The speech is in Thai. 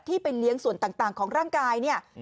ที่ไปเลี้ยงส่วนต่างของร่างกาย